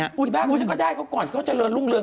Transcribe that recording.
พี่บ้ารู้ฉันก็ได้ก่อนเขาเจริญรุ่งเรือง